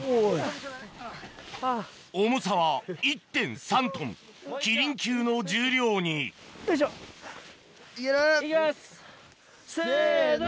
重さは１．３ｔキリン級の重量に行きますせの。